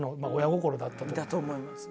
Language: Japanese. だと思いますね。